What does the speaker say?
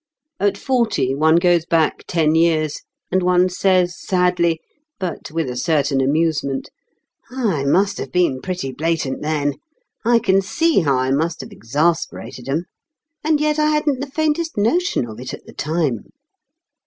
At forty one goes back ten years, and one says sadly, but with a certain amusement: "I must have been pretty blatant then. I can see how I must have exasperated 'em. And yet I hadn't the faintest notion of it at the time.